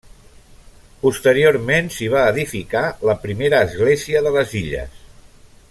Posteriorment s'hi va edificar la primera església de les illes.